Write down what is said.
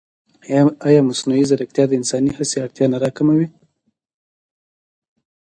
ایا مصنوعي ځیرکتیا د انساني هڅې اړتیا نه راکموي؟